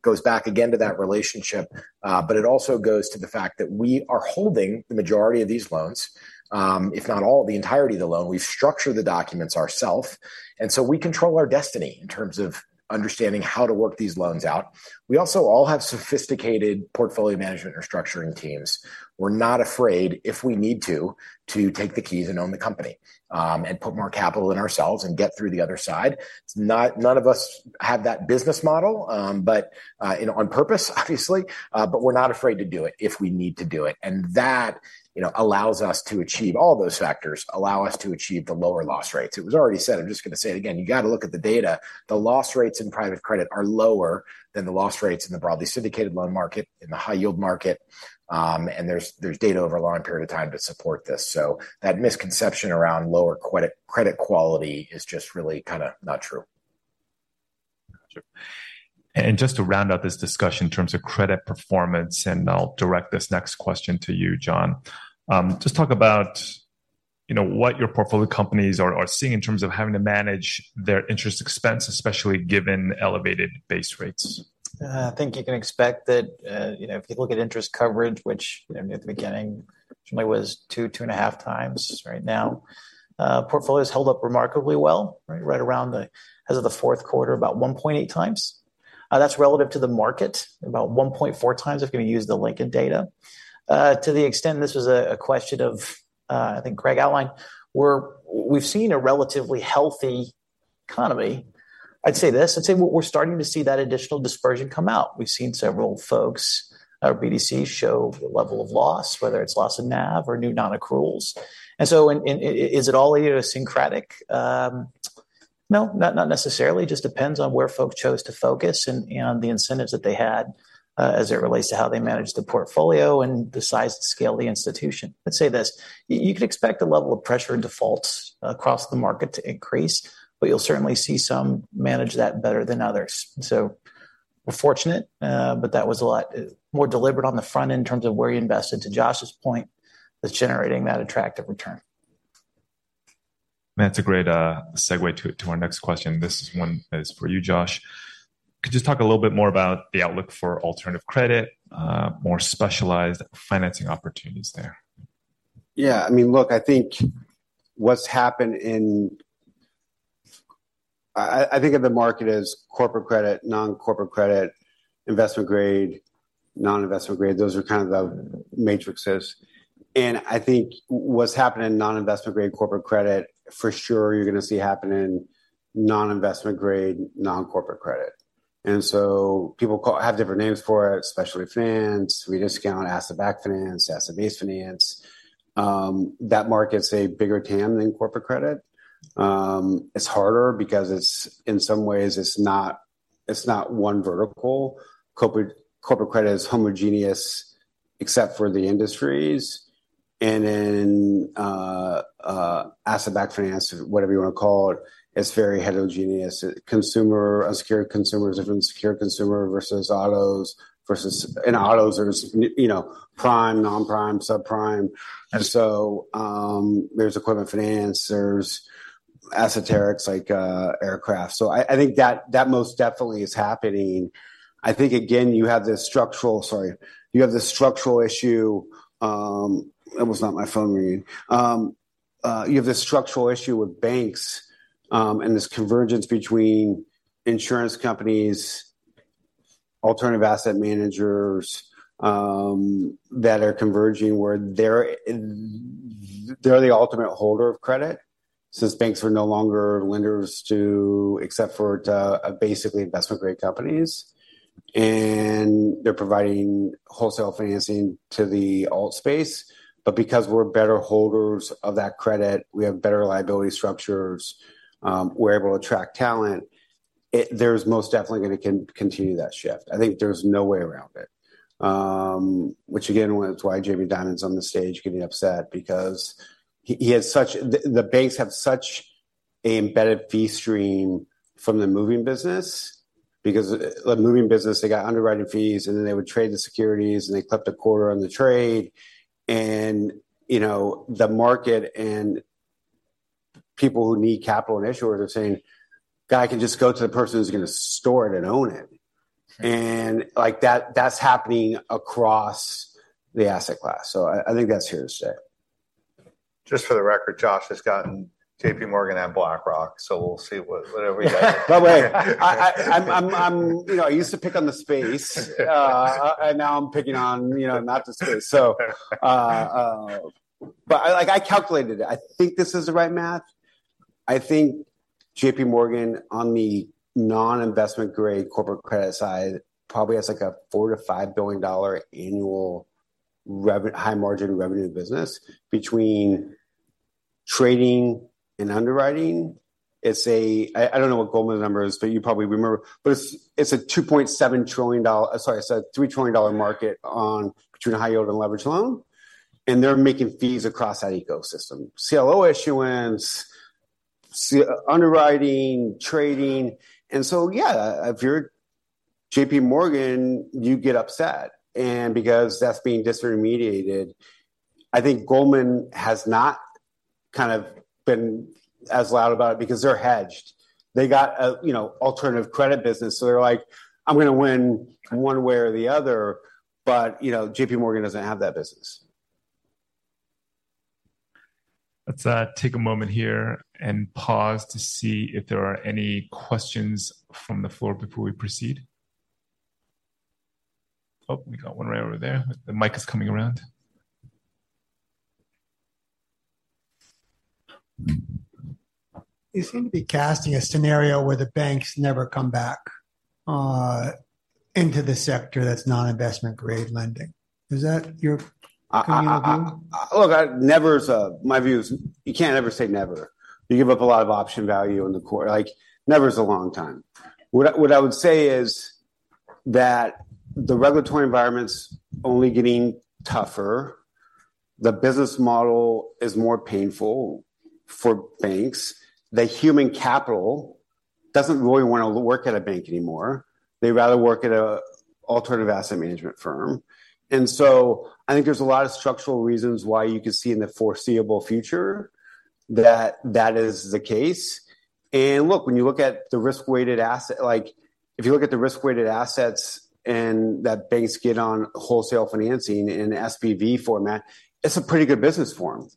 C: Goes back again to that relationship. But it also goes to the fact that we are holding the majority of these loans, if not all, the entirety of the loan. We've structured the documents ourselves. And so we control our destiny in terms of understanding how to work these loans out. We also all have sophisticated portfolio management or structuring teams. We're not afraid, if we need to, to take the keys and own the company and put more capital in ourselves and get through the other side. None of us have that business model, but on purpose, obviously. But we're not afraid to do it if we need to do it. And that allows us to achieve all those factors, allow us to achieve the lower loss rates. It was already said. I'm just going to say it again. You got to look at the data. The loss rates in private credit are lower than the loss rates in the broadly syndicated loan market, in the high-yield market. There's data over a long period of time to support this. That misconception around lower credit quality is just really kind of not true.
A: Gotcha. And just to round out this discussion in terms of credit performance, and I'll direct this next question to you, John. Just talk about what your portfolio companies are seeing in terms of having to manage their interest expense, especially given elevated base rates.
D: I think you can expect that if you look at interest coverage, which near the beginning certainly was 2x-2.5x, right now portfolios held up remarkably well, right? Right around, as of the Q4, about 1.8x. That's relative to the market, about 1.4x, if you're going to use the Lincoln data. To the extent this was a question of, I think Craig outlined, we've seen a relatively healthy economy. I'd say this. I'd say we're starting to see that additional dispersion come out. We've seen several folks at BDCs show the level of loss, whether it's loss of NAV or new non-accruals. And so is it all idiosyncratic? No, not necessarily. It just depends on where folks chose to focus and the incentives that they had as it relates to how they managed the portfolio and the size and scale of the institution. Let's say this. You could expect the level of pressure and defaults across the market to increase. But you'll certainly see some manage that better than others. So we're fortunate. But that was a lot more deliberate on the front end in terms of where you invested. To Josh's point, that's generating that attractive return.
A: That's a great segue to our next question. This one is for you, Josh. Could you just talk a little bit more about the outlook for alternative credit, more specialized financing opportunities there?
E: Yeah. I mean, look, I think what's happened. I think of the market as corporate credit, non-corporate credit, investment-grade, non-investment-grade. Those are kind of the matrices. And I think what's happening in non-investment-grade corporate credit, for sure, you're going to see happen in non-investment-grade non-corporate credit. And so people have different names for it, specialty finance, rediscount, asset-backed finance, asset-based finance. That market's a bigger TAM than corporate credit. It's harder because in some ways, it's not one vertical. Corporate credit is homogeneous except for the industries. And in asset-backed finance, whatever you want to call it, it's very heterogeneous. Unsecured consumers are unsecured consumer versus autos versus in autos, there's prime, non-prime, subprime. And so there's equipment finance. There's esoterics like aircraft. So I think that most definitely is happening. I think, again, you have this structural sorry. You have this structural issue. That was not my phone ringing. You have this structural issue with banks and this convergence between insurance companies, alternative asset managers that are converging where they're the ultimate holder of credit since banks are no longer lenders except for basically investment-grade companies. And they're providing wholesale financing to the alt space. But because we're better holders of that credit, we have better liability structures, we're able to attract talent, there's most definitely going to continue that shift. I think there's no way around it, which, again, is why Jamie Dimon's on the stage getting upset because he has such the banks have such an embedded fee stream from the moving business because the moving business, they got underwriting fees. And then they would trade the securities. And they clipped a quarter on the trade. The market and people who need capital and issuers are saying, "I can just go to the person who's going to store it and own it." And that's happening across the asset class. So I think that's here to stay.
B: Just for the record, Josh has gotten JPMorgan and BlackRock. So we'll see whatever he gets.
E: By the way, I used to pick on the space. Now I'm picking on not the space, so. I calculated it. I think this is the right math. I think JPMorgan, on the non-investment-grade corporate credit side, probably has like a $4 billion-$5 billion annual high-margin revenue business between trading and underwriting. I don't know what Goldman's number is. You probably remember. It's a $2.7 trillion market, sorry, it's a $3 trillion market between a high-yield and leveraged loan. They're making fees across that ecosystem: CLO issuance, underwriting, trading. So, yeah, if you're JPMorgan, you get upset. Because that's being disintermediated, I think Goldman has not kind of been as loud about it because they're hedged. They got an alternative credit business. So they're like, "I'm going to win one way or the other." JPMorgan doesn't have that business.
A: Let's take a moment here and pause to see if there are any questions from the floor before we proceed. Oh, we got one right over there. The mic is coming around.
G: You seem to be casting a scenario where the banks never come back into the sector that's non-investment-grade lending. Is that your communal view?
E: Look, my view is you can't ever say never. You give up a lot of option value in the short term. Never is a long time. What I would say is that the regulatory environment's only getting tougher. The business model is more painful for banks. The human capital doesn't really want to work at a bank anymore. They'd rather work at an alternative asset management firm. And so I think there's a lot of structural reasons why you could see in the foreseeable future that that is the case. And look, when you look at the risk-weighted asset if you look at the risk-weighted assets and that banks get on wholesale financing in SPV format, it's a pretty good business form.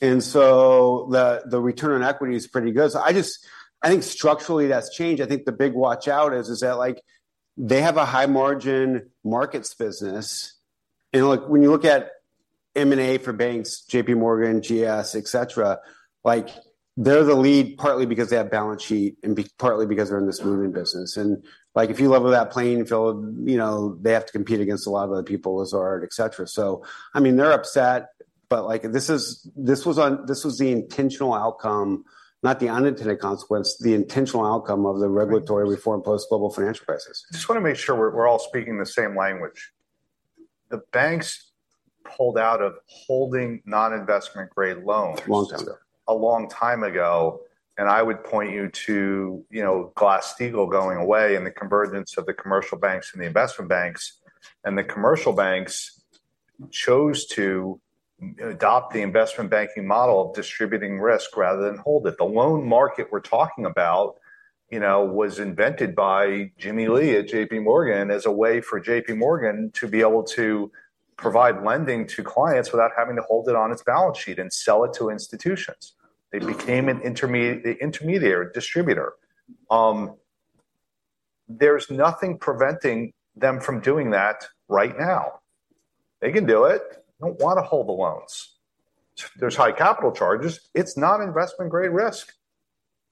E: And so the return on equity is pretty good. So I think structurally, that's changed. I think the big watch-out is that they have a high-margin markets business. When you look at M&A for banks, JPMorgan, GS, etc., they're the lead partly because they have balance sheet and partly because they're in this moving business. If you level that playing field, they have to compete against a lot of other people, Lazard, etc. So I mean, they're upset. But this was the intentional outcome, not the unintended consequence, the intentional outcome of the regulatory reform post-global financial crisis.
B: I just want to make sure we're all speaking the same language. The banks pulled out of holding non-investment-grade loans.
E: Long time ago.
B: A long time ago. I would point you to Glass-Steagall going away and the convergence of the commercial banks and the investment banks. The commercial banks chose to adopt the investment banking model of distributing risk rather than hold it. The loan market we're talking about was invented by Jimmy Lee at JPMorgan as a way for JPMorgan to be able to provide lending to clients without having to hold it on its balance sheet and sell it to institutions. They became an intermediate distributor. There's nothing preventing them from doing that right now. They can do it. They don't want to hold the loans. There's high capital charges. It's non-investment-grade risk.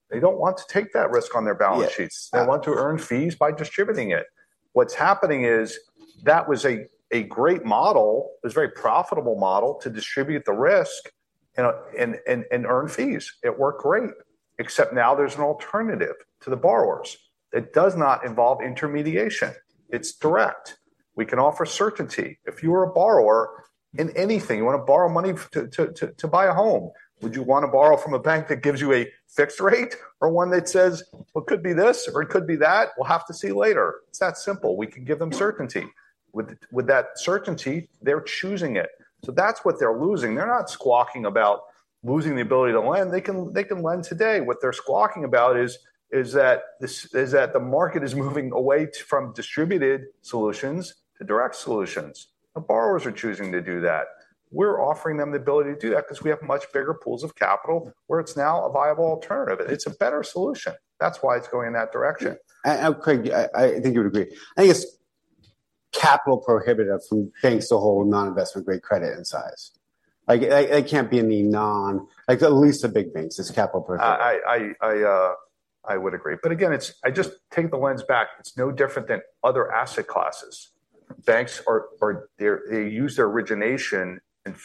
B: They don't want to take that risk on their balance sheets. They want to earn fees by distributing it. What's happening is that was a great model, it was a very profitable model to distribute the risk and earn fees. It worked great. Except now there's an alternative to the borrowers. It does not involve intermediation. It's direct. We can offer certainty. If you were a borrower in anything, you want to borrow money to buy a home, would you want to borrow from a bank that gives you a fixed rate or one that says, "Well, it could be this or it could be that. We'll have to see later"? It's that simple. We can give them certainty. With that certainty, they're choosing it. So that's what they're losing. They're not squawking about losing the ability to lend. They can lend today. What they're squawking about is that the market is moving away from distributed solutions to direct solutions. Now, borrowers are choosing to do that. We're offering them the ability to do that because we have much bigger pools of capital where it's now a viable alternative. It's a better solution. That's why it's going in that direction.
E: Craig, I think you would agree. I think it's capital prohibitive from banks to hold non-investment-grade credit in size. They can't be in the non, at least the big banks, it's capital prohibitive.
B: I would agree. But again, I just take the lens back. It's no different than other asset classes. Banks, they use their origination and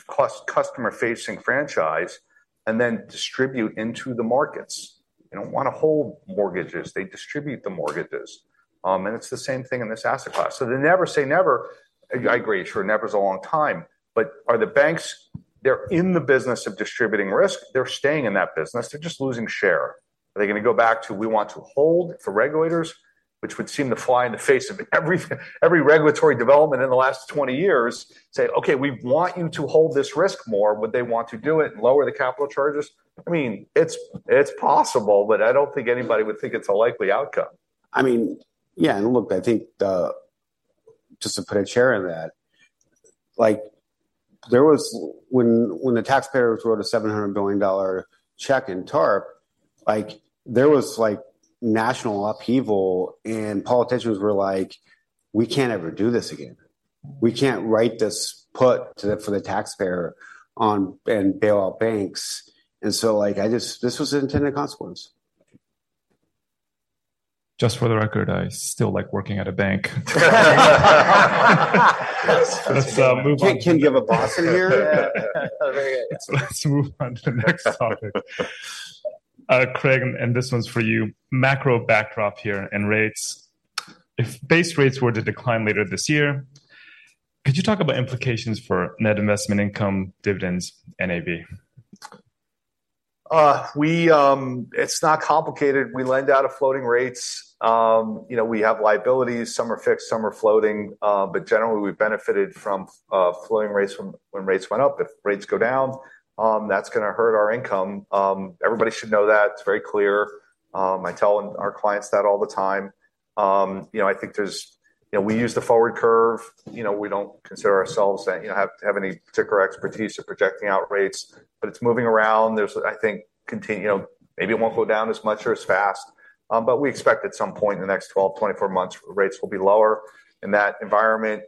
B: customer-facing franchise and then distribute into the markets. They don't want to hold mortgages. They distribute the mortgages. And it's the same thing in this asset class. So they never say never. I agree. Sure, never is a long time. But are the banks? They're in the business of distributing risk. They're staying in that business. They're just losing share. Are they going to go back to, "We want to hold." For regulators, which would seem to fly in the face of every regulatory development in the last 20 years, say, "Okay, we want you to hold this risk more." Would they want to do it and lower the capital charges? I mean, it's possible. But I don't think anybody would think it's a likely outcome.
E: I mean, yeah. And look, I think just to put a chair in that, when the taxpayers wrote a $700 billion check in TARP, there was national upheaval. And politicians were like, "We can't ever do this again. We can't write this put for the taxpayer and bail out banks." And so this was an intended consequence.
A: Just for the record, I still like working at a bank. Let's move on.
B: Can you give applause in here?
A: That's very good. Let's move on to the next topic. Craig, and this one's for you. Macro backdrop here and rates. If base rates were to decline later this year, could you talk about implications for net investment income, dividends, NAV?
B: It's not complicated. We lend out at floating rates. We have liabilities. Some are fixed, some are floating. But generally, we've benefited from floating rates when rates went up. If rates go down, that's going to hurt our income. Everybody should know that. It's very clear. I tell our clients that all the time. I think we use the forward curve. We don't consider ourselves that have any particular expertise or projecting out rates. But it's moving around. I think maybe it won't go down as much or as fast. But we expect at some point in the next 12-24 months, rates will be lower. In that environment,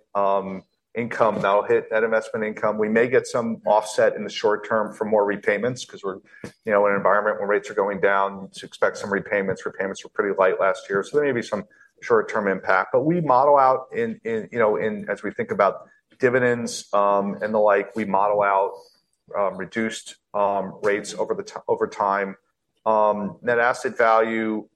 B: income that'll hit net investment income. We may get some offset in the short term from more repayments because we're in an environment where rates are going down. You'd expect some repayments. Repayments were pretty light last year. So there may be some short-term impact. But we model out as we think about dividends and the like, we model out reduced rates over time. Net asset value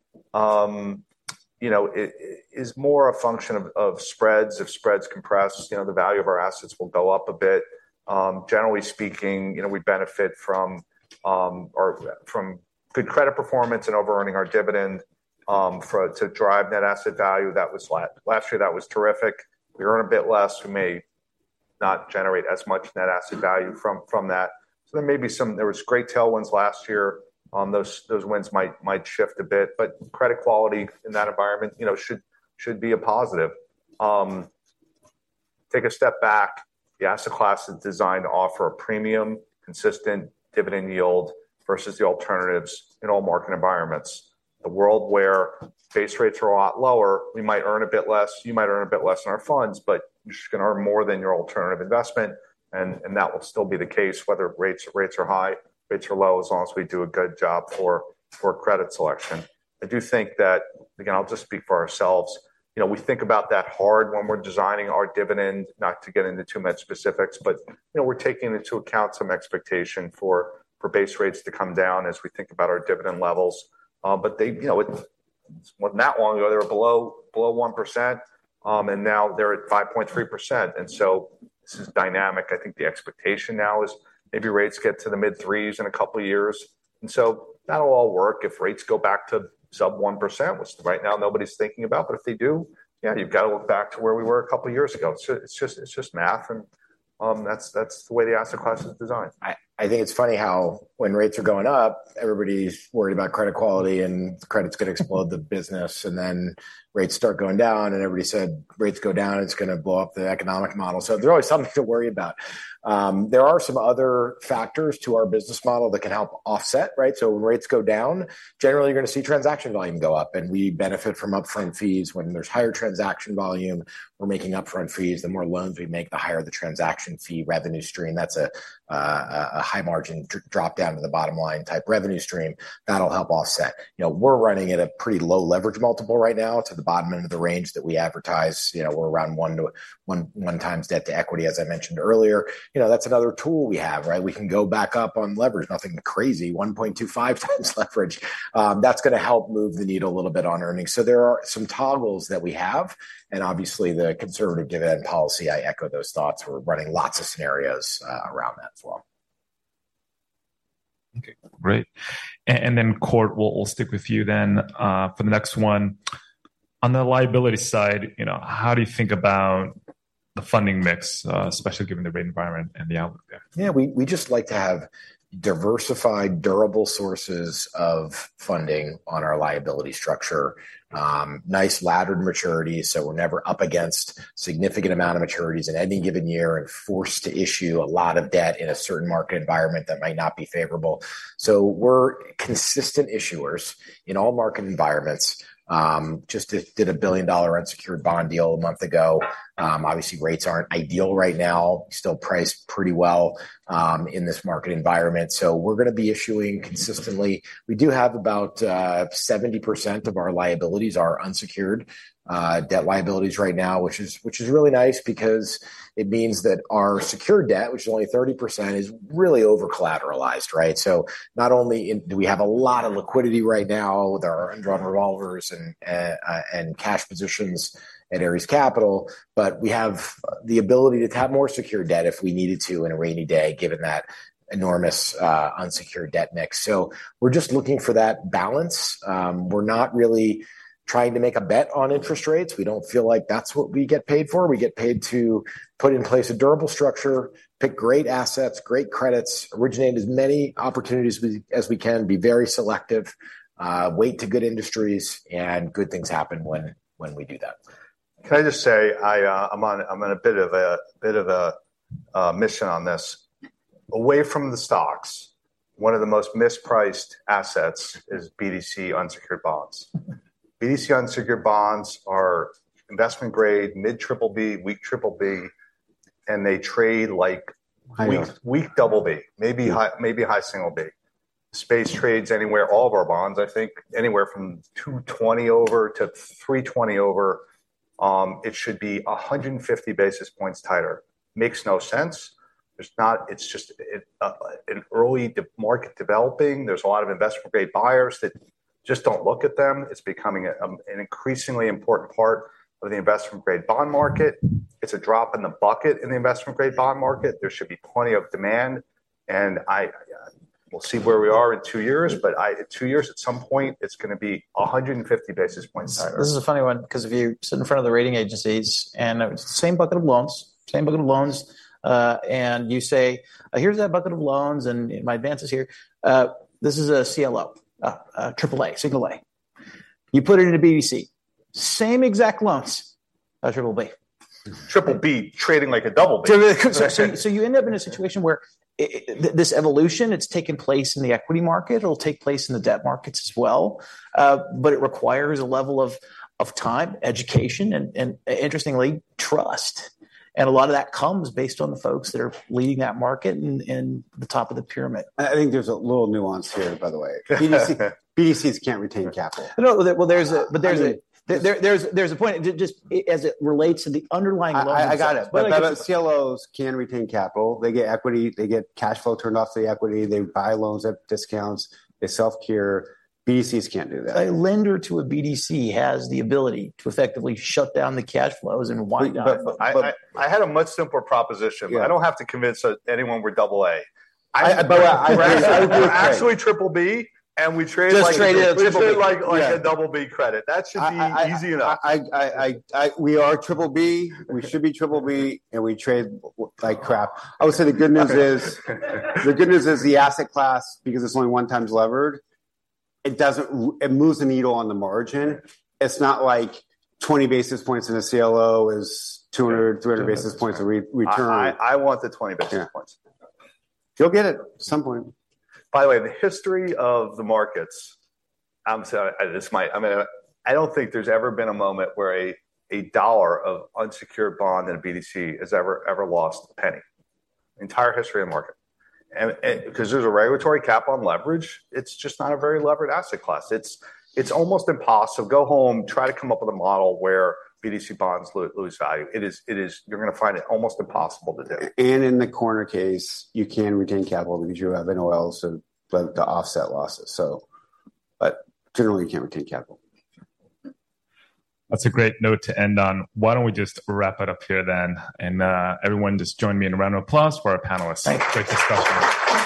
B: is more a function of spreads. If spreads compress, the value of our assets will go up a bit. Generally speaking, we benefit from good credit performance and over-earning our dividend to drive net asset value. Last year, that was terrific. We earn a bit less. We may not generate as much net asset value from that. So there may be some. There was great tailwinds last year. Those winds might shift a bit. But credit quality in that environment should be a positive. Take a step back. The asset class is designed to offer a premium, consistent dividend yield versus the alternatives in all market environments. The world where base rates are a lot lower, we might earn a bit less. You might earn a bit less in our funds. You're just going to earn more than your alternative investment. That will still be the case whether rates are high, rates are low, as long as we do a good job for credit selection. I do think that again, I'll just speak for ourselves. We think about that hard when we're designing our dividend, not to get into too much specifics. We're taking into account some expectation for base rates to come down as we think about our dividend levels. Not long ago, they were below 1%. Now, they're at 5.3%. So this is dynamic. I think the expectation now is maybe rates get to the mid-3s in a couple of years. And so that'll all work if rates go back to sub-1%, which right now, nobody's thinking about. But if they do, yeah, you've got to look back to where we were a couple of years ago. It's just math. And that's the way the asset class is designed.
C: I think it's funny how when rates are going up, everybody's worried about credit quality and credit's going to explode the business. And then rates start going down. And everybody said, "Rates go down, it's going to blow up the economic model." So there's always something to worry about. There are some other factors to our business model that can help offset, right? So when rates go down, generally, you're going to see transaction volume go up. And we benefit from upfront fees. When there's higher transaction volume, we're making upfront fees. The more loans we make, the higher the transaction fee revenue stream. That's a high-margin drop-down to the bottom line type revenue stream. That'll help offset. We're running at a pretty low leverage multiple right now to the bottom end of the range that we advertise. We're around 1x debt to equity, as I mentioned earlier. That's another tool we have, right? We can go back up on leverage, nothing crazy, 1.25x leverage. That's going to help move the needle a little bit on earnings. So there are some toggles that we have. And obviously, the conservative dividend policy, I echo those thoughts. We're running lots of scenarios around that as well.
A: Okay. Great. And then, Kort, we'll stick with you then for the next one. On the liability side, how do you think about the funding mix, especially given the rate environment and the outlook there?
C: Yeah. We just like to have diversified, durable sources of funding on our liability structure, nice laddered maturities. So we're never up against a significant amount of maturities in any given year and forced to issue a lot of debt in a certain market environment that might not be favorable. So we're consistent issuers in all market environments. Just did a billion-dollar unsecured bond deal a month ago. Obviously, rates aren't ideal right now. Still priced pretty well in this market environment. So we're going to be issuing consistently. We do have about 70% of our liabilities are unsecured debt liabilities right now, which is really nice because it means that our secured debt, which is only 30%, is really over-collateralized, right? So not only do we have a lot of liquidity right now with our undrawn revolvers and cash positions at Ares Capital, but we have the ability to have more secured debt if we needed to in a rainy day, given that enormous unsecured debt mix. So we're just looking for that balance. We're not really trying to make a bet on interest rates. We don't feel like that's what we get paid for. We get paid to put in place a durable structure, pick great assets, great credits, originate as many opportunities as we can, be very selective, wait to good industries. And good things happen when we do that.
B: Can I just say I'm in a bit of a mission on this? Away from the stocks, one of the most mispriced assets is BDC unsecured bonds. BDC unsecured bonds are investment grade, mid-BBB, weak-BBB. And they trade like weak-BBB, maybe high-BBB. Spreads trade anywhere, all of our bonds, I think anywhere from 220 over to 320 over, it should be 150 basis points tighter. Makes no sense. It's just an early market developing. There's a lot of investment-grade buyers that just don't look at them. It's becoming an increasingly important part of the investment-grade bond market. It's a drop in the bucket in the investment-grade bond market. There should be plenty of demand. And we'll see where we are in 2 years. But in 2 years, at some point, it's going to be 150 basis points tighter.
E: This is a funny one because if you sit in front of the rating agencies and it's the same bucket of loans, same bucket of loans, and you say, "Here's that bucket of loans. And my advance is here. This is a CLO, AAA, single A. You put it into BDC. Same exact loans, AA, B.
B: BBB trading like a BBB.
E: So you end up in a situation where this evolution, it's taken place in the equity market. It'll take place in the debt markets as well. But it requires a level of time, education, and interestingly, trust. And a lot of that comes based on the folks that are leading that market and the top of the pyramid.
D: I think there's a little nuance here, by the way. BDCs can't retain capital.
E: No. But there's a point. Just as it relates to the underlying loans.
D: I got it. But CLOs can retain capital. They get equity. They get cash flow turned off to the equity. They buy loans at discounts. They self-cure. BDCs can't do that.
B: A lender to a BDC has the ability to effectively shut down the cash flows and wind down.
C: I had a much simpler proposition. I don't have to convince anyone we're AAA.
B: By the way, I agree.
D: We're actually BBB. And we trade like.
B: Just trade it as BBB.
D: We trade like a BBB credit. That should be easy enough.
B: We are BDC. We should be BDC. And we trade like crap. I would say the good news is the good news is the asset class, because it's only 1x levered, it moves the needle on the margin. It's not like 20 basis points in a CLO is 200-300 basis points of return.
D: I want the 20 basis points.
B: You'll get it at some point.
D: By the way, the history of the markets, I'm going to say I don't think there's ever been a moment where a dollar of unsecured bond in a BDC has ever lost a penny, entire history of the market. Because there's a regulatory cap on leverage, it's just not a very levered asset class. It's almost impossible. Go home, try to come up with a model where BDC bonds lose value. You're going to find it almost impossible to do.
B: In the corner case, you can retain capital because you have NOLs to offset losses. Generally, you can't retain capital.
A: That's a great note to end on. Why don't we just wrap it up here then? Everyone, just join me in a round of applause for our panelists. Great discussion.